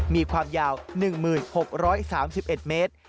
มีความยาว๑๖๓๑เมตร